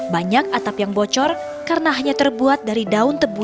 banyak atap yang bocor karena hanya terbuat dari daun tebu